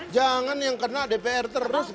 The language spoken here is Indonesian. jangan yang kena dpr terus